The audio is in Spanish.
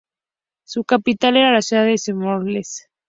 Su capital era la ciudad de Smolensk.